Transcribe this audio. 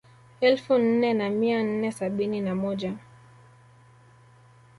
Elfu nne na mia nne sabini na moja